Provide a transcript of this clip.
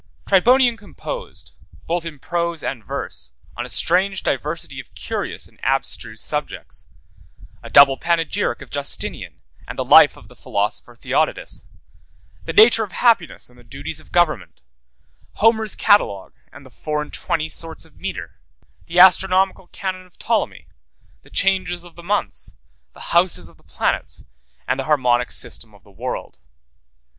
Tribonian composed, both in prose and verse, on a strange diversity of curious and abstruse subjects: 73 a double panegyric of Justinian and the life of the philosopher Theodotus; the nature of happiness and the duties of government; Homer's catalogue and the four and twenty sorts of metre; the astronomical canon of Ptolemy; the changes of the months; the houses of the planets; and the harmonic system of the world.